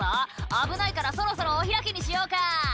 「危ないからそろそろお開きにしようか」